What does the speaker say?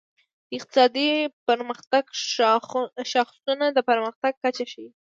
د اقتصادي پرمختګ شاخصونه د پرمختګ کچه ښيي.